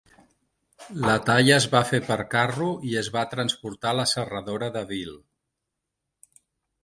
La talla es va fer per carro i es va transportar a la serradora de Veal.